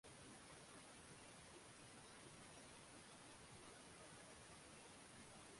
Zanzibar ni kisiwa kilichobarikiwa kuwa na makabila mbalimbali